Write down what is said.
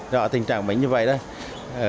rồi tình trạng bệnh như vậy đó